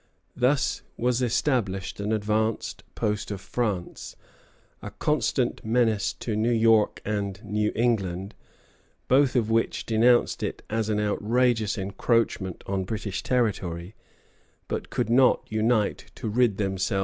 Thus was established an advanced post of France, a constant menace to New York and New England, both of which denounced it as an outrageous encroachment on British territory, but could not unite to rid themselves of it.